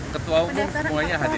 ketua umum semuanya hadir